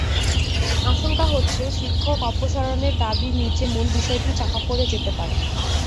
আশঙ্কা হচ্ছে, শিক্ষক অপসারণের দাবির নিচে মূল বিষয়টিই চাপা পড়ে যেতে পারে।